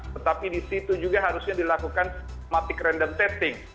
tetapi di situ juga harusnya dilakukan systematic random testing